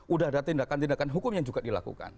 udah ada tindakan tindakan hukum yang juga dilakukan